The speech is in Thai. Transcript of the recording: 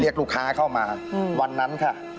ลูกค้าเข้ามาวันนั้นค่ะ